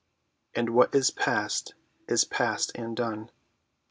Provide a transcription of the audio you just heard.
And what is past is past and done.